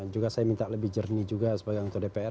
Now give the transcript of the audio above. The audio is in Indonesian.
juga saya minta lebih jernih juga sebagai anggota dpr